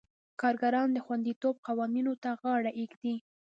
کارګران د خوندیتوب قوانینو ته غاړه ږدي.